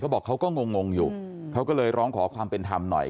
บอกเขาก็งงอยู่เขาก็เลยร้องขอความเป็นธรรมหน่อย